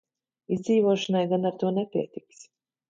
Izdzīvošanai gan ar to nepietiks.